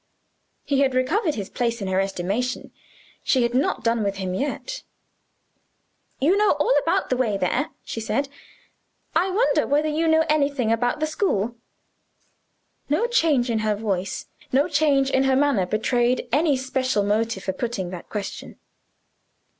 He had recovered his place in her estimation: she had not done with him yet. "You know all about the way there," she said "I wonder whether you know anything about the school?" No change in her voice, no change in her manner, betrayed any special motive for putting this question.